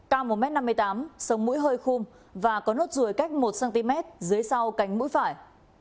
cao một m năm mươi tám sống mũi hơi khung và có nốt ruồi cách một cm dưới sau cánh mũi phải